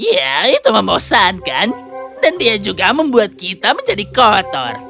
ya itu membosankan dan dia juga membuat kita menjadi kotor